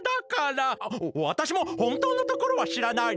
わたしもほんとうのところはしらないのよ。